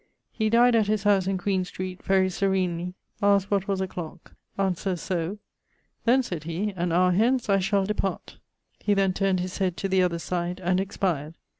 He dyed at his house in Queen street, very serenely; asked what was a clock, answer so ...: 'then,' sayd he, 'an houre hence I shall depart.' He then turned his head to the other side and expired.